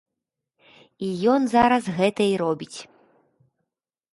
І ён зараз гэта і робіць.